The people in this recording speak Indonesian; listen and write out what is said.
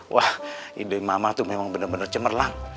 wah ide mama tuh memang bener bener cemerlang